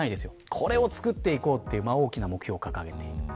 これを作っていこうという大きな目標を掲げている。